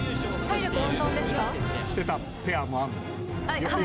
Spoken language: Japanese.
してたペアもあるの？